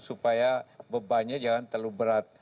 supaya bebannya jangan terlalu berat